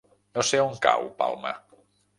No sé on cau Palma.